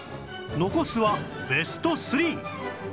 残すはベスト３